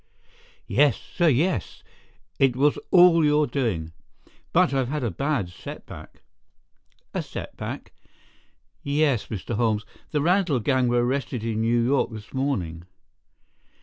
"Yes, sir—yes. It was all your doing. But I have had a bad setback." "A setback?" "Yes, Mr. Holmes. The Randall gang were arrested in New York this morning."